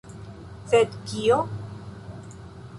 Sed kio?